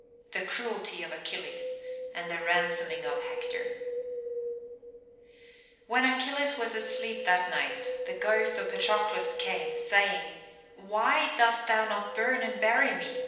THE CRUELTY OF ACHILLES, AND THE RANSOMING OF HECTOR When Achilles was asleep that night the ghost of Patroclus came, saying, "Why dost thou not burn and bury me?